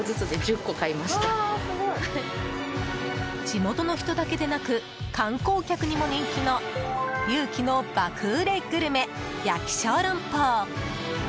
地元の人だけでなく観光客にも人気の龍輝の爆売れグルメ焼き小龍包。